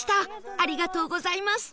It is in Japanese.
ありがとうございます